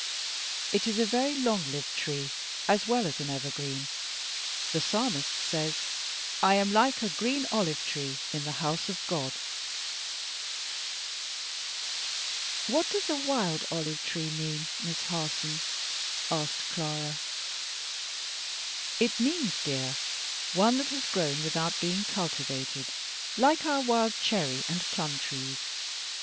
It is a very long lived tree, as well as an evergreen; the Psalmist says, 'I am like a green olive tree in the house of God.'" Job xxiii. 6. "What does a wild olive tree mean, Miss Harson?" asked Clara. "It means, dear, one that has grown without being cultivated, like our wild cherry and plum trees.